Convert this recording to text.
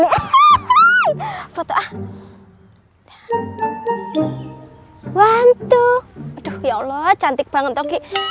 want to aduh ya allah cantik banget lagi